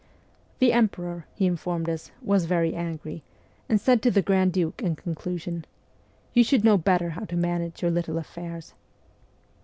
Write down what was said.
' The emperor,' he informed us, 'was very angry, and said to the grand duke in conclusion, " You should know better how to manage your little affairs."